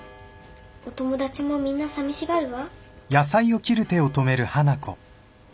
お友達もみんなさみしがるわ。